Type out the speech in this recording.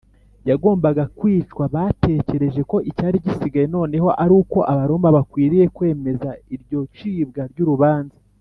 yagombaga kwicwa batekereje ko icyari gisigaye noneho ari uko abaroma bakwiriye kwemeza iryo cibwa ry’urubanza